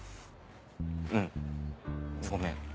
うんごめん。